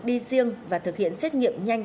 đi riêng và thực hiện xét nghiệm nhanh